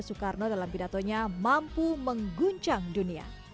soekarno dalam pidatonya mampu mengguncang dunia